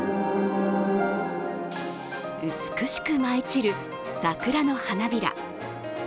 美しく舞い散る桜の花びら。